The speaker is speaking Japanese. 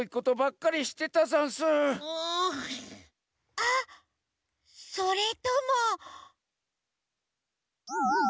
あっそれとも。